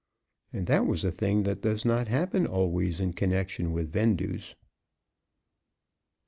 And that was a thing that does not happen always in connection with vendues.